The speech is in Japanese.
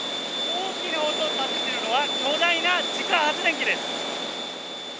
大きな音を立てているのは巨大な自家発電機です。